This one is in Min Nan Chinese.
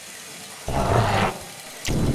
峇斗